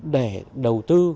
để đầu tư